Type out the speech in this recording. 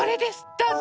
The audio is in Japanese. どうぞ。